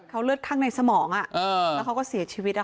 เขาเลือดข้างในสมองแล้วเขาก็เสียชีวิต